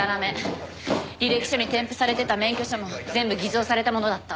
履歴書に添付されてた免許証も全部偽造されたものだった。